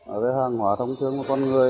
ở với hàng hóa thông thương của con người